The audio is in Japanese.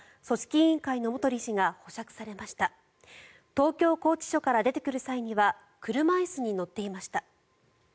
東京拘置所から出てくる際には車椅子に乗っていました。